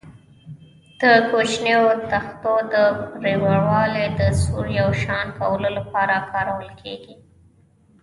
د کوچنیو تختو د پرېړوالي او سور یو شان کولو لپاره کارول کېږي.